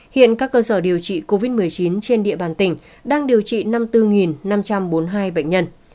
hiện các cơ sở điều trị covid một mươi chín trên địa bàn tỉnh đang điều trị năm mươi bốn năm trăm bốn mươi hai bệnh nhân